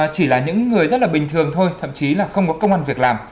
chỉ là những người rất là bình thường thôi thậm chí là không có công an việc làm